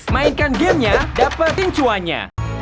mainkan gamenya dapat pincuannya